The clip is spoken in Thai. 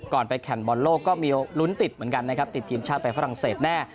ก่อนไปแข่นบอลโลก็รั้นติดติดทีมชาติไปฝรั่งเศสแน่